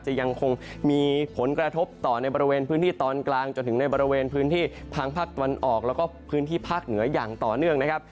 ยังคงมีผลกระทบต่อในบริเวณพื้นที่ตอนกลางจนถึงในบริเวณพื้นที่ทางภาคตะวันออกแล้วก็พื้นที่ภาคเหนืออย่างต่อเนื่องนะครับ